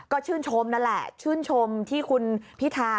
ก็ชื่นชมนั่นแหละชื่นชมที่คุณพิธา